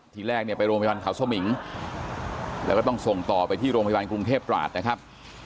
ทีแรกเนี่ยไปโรงพยาบาลเขาสมิงแล้วก็ต้องส่งต่อไปที่โรงพยาบาลกรุงเทพตราดนะครับ